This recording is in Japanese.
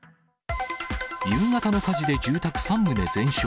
夕方の火事で住宅３棟全焼。